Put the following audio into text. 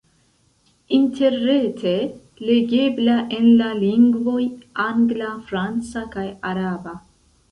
Interrete legebla en la lingvoj angla, franca kaj araba.